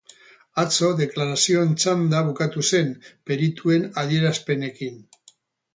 Atzo deklarazioen txanda bukatu zen, perituen adierazpenekin.